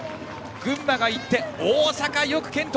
群馬がいって、大阪も健闘。